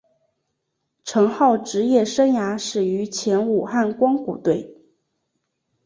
陈浩职业生涯始于前武汉光谷队。